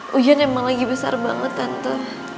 hujan emang lagi besar banget tante